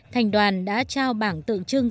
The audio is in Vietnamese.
thành đoàn đã trao bảng tượng trưng